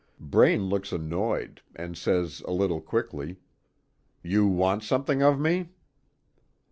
Braine looks annoyed, and says a little quickly: "You want something of me?"